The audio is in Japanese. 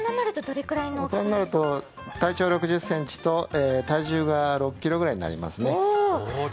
体長６０ｃｍと体重が６ｋｇぐらいになりますね。